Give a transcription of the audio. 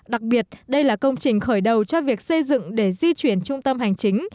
đặc biệt đây là công trình khởi đầu cho việc xây dựng để di chuyển trung tâm hành chính